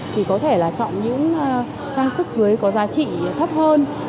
thì có thể là chọn những trang sức cưới có giá trị thấp hơn